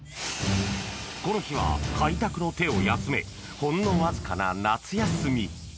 この日は開拓の手を休めほんのわずかな夏休み